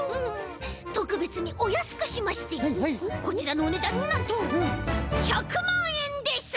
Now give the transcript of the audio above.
とくべつにおやすくしましてこちらのおねだんなんと１００まんえんです！